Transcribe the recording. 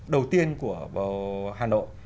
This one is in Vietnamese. đầu tiên của hà nội